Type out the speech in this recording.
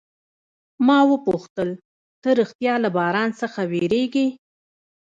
ما وپوښتل، ته ریښتیا له باران څخه بیریږې؟